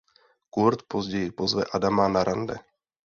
Kurt později pozve Adama na rande.